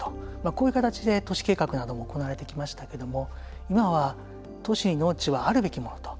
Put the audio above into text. こういう形で都市計画なども行われてきましたけども今は都市に農地はあるべきものと。